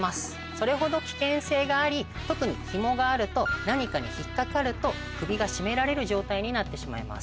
それほど危険性があり特に紐があると何かに引っ掛かると首が締められる状態になってしまいます。